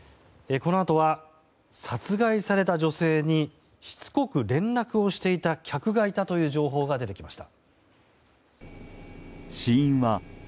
このあとは殺害された女性にしつこく連絡をしていた客がいたという情報が出てきました。